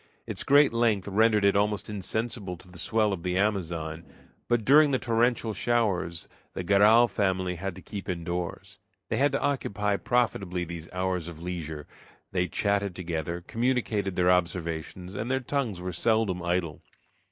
Its great length rendered it almost insensible to the swell of the Amazon, but during the torrential showers the Garral family had to keep indoors. They had to occupy profitably these hours of leisure. They chatted together, communicated their observations, and their tongues were seldom idle.